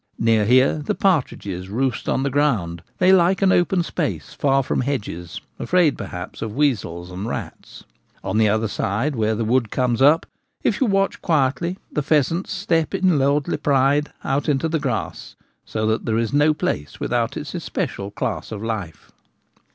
Near here the partridges roost on the ground ; they like an open space far from hedges, afraid, perhaps, of weasels and rats. On the other side, where the wood comes up, if you watch quietly, the pheasants step in lordly pride out into the grass ; so that there is no place without its especial class of life.